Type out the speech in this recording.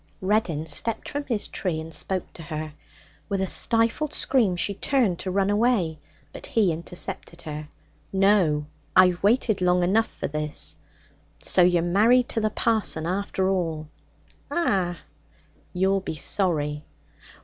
Reddin stepped from his tree and spoke to her. With a stifled scream she turned to run away, but he intercepted her. 'No. I've waited long enough for this. So you're married to the parson, after all?' 'Ah.' 'You'll be sorry.'